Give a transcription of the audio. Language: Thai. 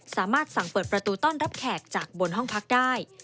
สามารถสั่งเปิดประตูต้อนรับแขกจากบนห้องพักได้